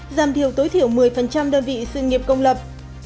giảm thiểu tối thiểu một mươi đơn vị sự nghiệp công lập